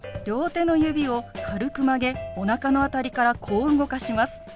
両手の指を軽く曲げおなかの辺りからこう動かします。